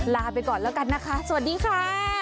ลาไปก่อนแล้วกันนะคะสวัสดีค่ะ